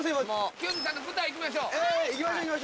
清水さんの舞台行きましょう。